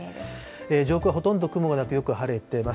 上空はほとんど雲がなくよく晴れてます。